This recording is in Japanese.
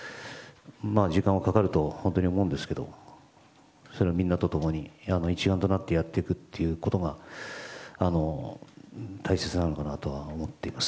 時間はかかると思うんですがそれをみんなと共に一丸となってやっていくということが大切なのかなと思っています。